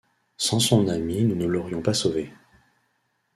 Sans son ami nous ne l’aurions pas sauvé!